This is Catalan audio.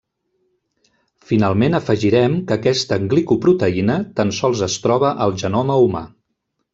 Finalment afegirem que aquesta glicoproteïna tan sols es troba al Genoma humà.